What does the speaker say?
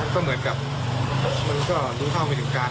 ก็เหมือนกับมันก็รู้เท่าไม่ถึงการ